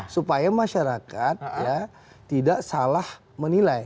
supaya masyarakat tidak salah menilai